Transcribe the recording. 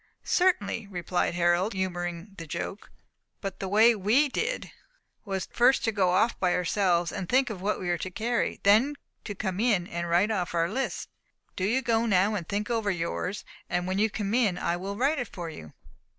"Certainly," replied Harold, humouring the joke. "But the way we did, was first to go off by ourselves, and think of what we were to carry; then to come in and write off our lists. Do you go now and think over yours, and when you come in I will write it for you."